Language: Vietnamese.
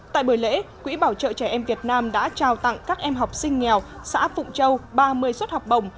tại buổi lễ quỹ bảo trợ trẻ em việt nam đã trao tặng các em học sinh nghèo xã phụng châu ba mươi suất học bổng